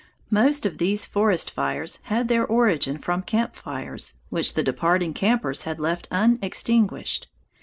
Most of these forest fires had their origin from camp fires which the departing campers had left unextinguished.